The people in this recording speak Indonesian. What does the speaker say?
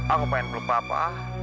aku pengen belum papa